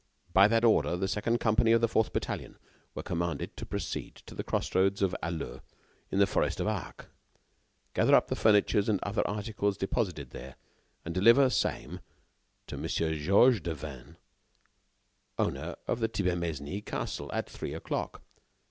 By that order, the second company of the fourth battalion were commanded to proceed to the crossroads of Halleux in the forest of Arques, gather up the furniture and other articles deposited there, and deliver same to Monsieur Georges Devanne, owner of the Thibermesnil castle, at three o'clock.